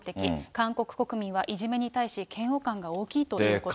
韓国国民はいじめに対し嫌悪感が大きいということです。